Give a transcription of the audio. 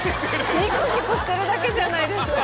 ニコニコしてるだけじゃないですか。